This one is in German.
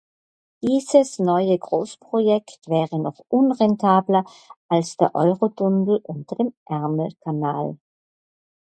Dieses neue Großprojekt wäre noch unrentabler als der Eurotunnel unter dem Ärmelkanal.